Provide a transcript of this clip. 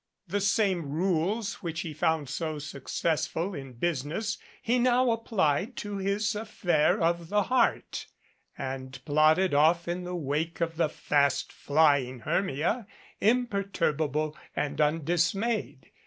The same rules which he had found so successful in business he now applied to his affair of the heart, and plodded off in the wake of the fast flying Hermia, imper turbable and undismayed.